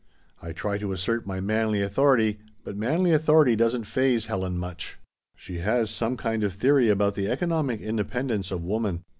I try to assert my manly authority, but manly authority doesn't faze Helen much. She has some kind of theory about the economic independence of woman.